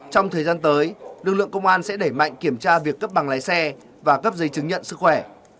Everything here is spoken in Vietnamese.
trong thời gian tới lực lượng công an sẽ đẩy mạnh kiểm tra việc cấp bằng lái xe và cấp giấy chứng nhận sức khỏe